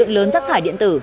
ác quy vi mạch điện tử